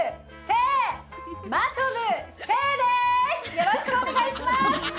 よろしくお願いします。